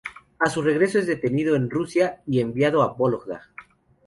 A su regreso es detenido en Rusia y enviado a Vólogda.